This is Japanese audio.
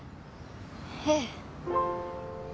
ええ。